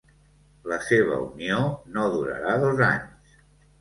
La seva unió no durarà dos anys.